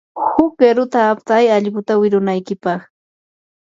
huk qiruta aptay allquta wirunaykipaq.